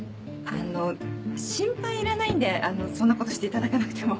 あの心配いらないんでそんなことしていただかなくても。